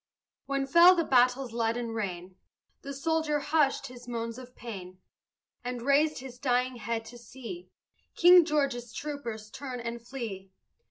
When fell the battle's leaden rain, The soldier hushed his moans of pain And raised his dying head to see King George's troopers turn and flee.